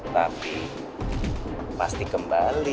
tapi pasti kembali